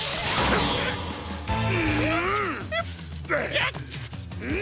やっ！